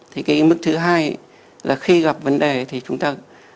thì cái mức thứ hai là khi gặp vấn đề thì chúng ta